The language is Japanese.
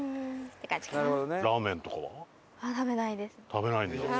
食べないんだ。